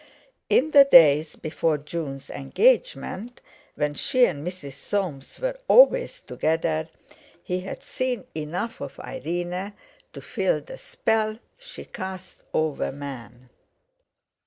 In the days before Jun's engagement, when she and Mrs. Soames were always together, he had seen enough of Irene to feel the spell she cast over men.